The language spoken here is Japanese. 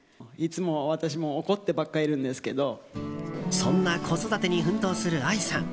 そんな子育てに奮闘するＡＩさん。